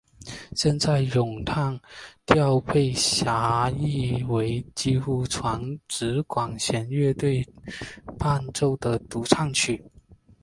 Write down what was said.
现时咏叹调被狭义为几乎专指管弦乐队伴奏的独唱曲。